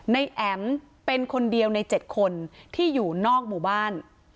แอ๋มเป็นคนเดียวใน๗คนที่อยู่นอกหมู่บ้าน